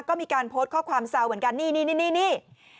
ก็มีการโพสต์ข้อความแซวเหมือนกันนี่